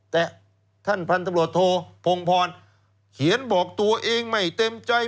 แต่ท่านพันธบรวจโทพงพรเขียนบอกตัวเองไม่เต็มใจ